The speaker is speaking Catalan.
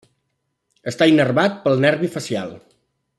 Està innervat pel nervi facial.